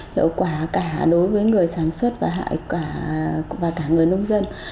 hiệu quả cả đối với người sản xuất và cả người nông dân